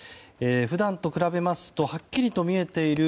普段と比べますとはっきりと見えています